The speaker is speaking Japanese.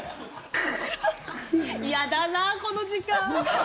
やだなー、この時間！